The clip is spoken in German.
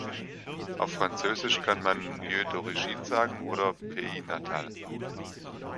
Auf Französisch kann man "lieu d’origine" sagen oder "pays natal".